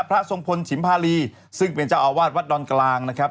ทรงพลฉิมพารีซึ่งเป็นเจ้าอาวาสวัดดอนกลางนะครับ